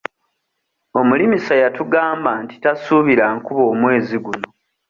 Omulimisa yatugamba nti tasuubira nkuba omwezi guno.